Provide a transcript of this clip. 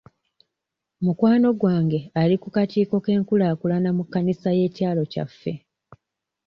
Mukwano gwange ali ku kakiiko k'enkulaakulana mu kkanisa y'ekyalo kyaffe.